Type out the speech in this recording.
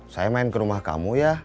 saya main ke rumah kamu ya